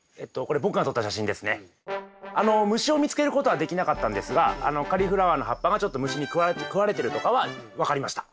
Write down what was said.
あの虫を見つけることはできなかったんですがカリフラワーの葉っぱがちょっと虫に食われてるとかは分かりました。